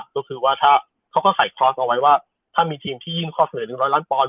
ก็คือว่าถ้าเขาก็ใส่คอร์สเอาไว้ว่าถ้ามีทีมที่ยื่นข้อเสนอ๑๐๐ล้านปอนด